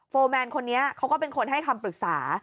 แมนคนนี้เขาก็เป็นคนให้คำปรึกษา